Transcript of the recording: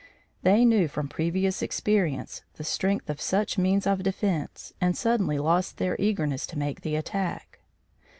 They knew from previous experience the strength of such means of defence and suddenly lost their eagerness to make the attack.